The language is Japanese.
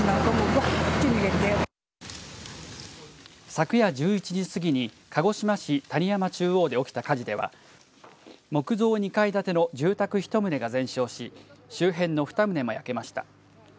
昨夜１１時過ぎに鹿児島市谷山中央で起きた火事では木造２階建ての住宅１棟が全焼し周辺の２棟も焼けました。